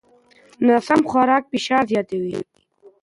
ناسم خوراک فشار زیاتوي.